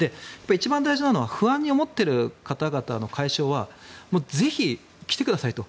一番大事なのは不安に思っている方々の解消はぜひ来てくださいと。